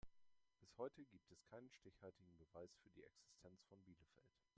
Bis heute gibt es keinen stichhaltigen Beweis für die Existenz von Bielefeld.